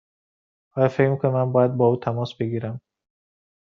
آیا فکر می کنی من باید با او تماس بگیرم؟